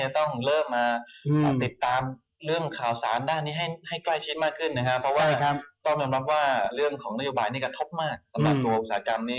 ต้องยิ่งให้ใกล้ชิดมากขึ้นนะฮะเพราะว่าต้องยำนับว่าเรื่องของนโยบายนี่ก็ท็อปมากสำหรับตัวอุตสาหกรรมนี้